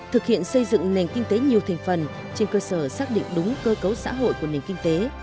thực hiện xây dựng nền kinh tế nhiều thành phần trên cơ sở xác định đúng cơ cấu xã hội của nền kinh tế